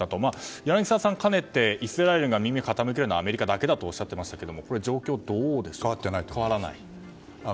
柳澤さん、かねてイスラエルが耳を傾けるのはアメリカだけだとおっしゃっていましたが変わってないと思います。